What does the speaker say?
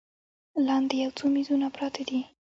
لاندې یو څو میزونه پراته دي.